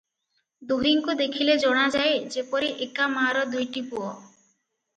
ଦୁହିଁଙ୍କୁ ଦେଖିଲେ ଜଣାଯାଏ ଯେପରି ଏକା ମାଆର ଦୁଇଟି ପୁଅ ।